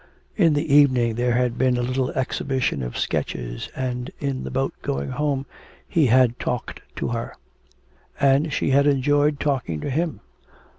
In the evening there had been a little exhibition of sketches, and in the boat going home he had talked to her; and she had enjoyed talking to him.